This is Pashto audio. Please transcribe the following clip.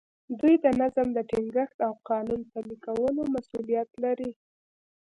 دوی د نظم د ټینګښت او قانون پلي کولو مسوولیت لري.